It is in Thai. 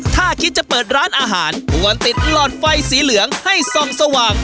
ถ้าคิดจะเปิดร้านอาหารควรติดหลอดไฟสีเหลืองให้ส่องสว่าง